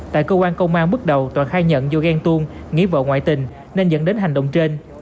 tại cơ quan công an bước đầu toàn khai nhận do ghen tuông nghĩ vợ ngoại tình nên dẫn đến hành động trên